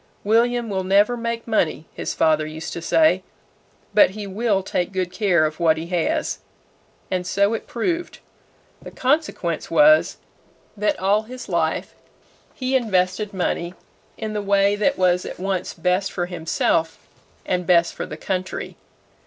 "William will never make money," his father used to say; "but he will take good care of what he has." And so it proved. The consequence was, that all his life he invested money in the way that was at once best for himself and best for the country.